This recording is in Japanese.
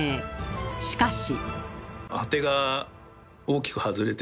しかし。